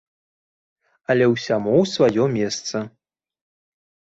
Але ўсяму сваё месца.